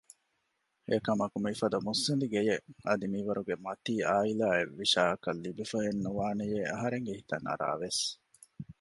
އެކަމަކު މިފަދަ މުއްސަނދި ގެޔެއް އަދި މިވަރުގެ މަތީ އާއިލާއެއް ވިޝާއަކަށް ލިބިފައެއް ނުވާނެޔޭ އަހަރެންގެ ހިތަށް އަރާވެސް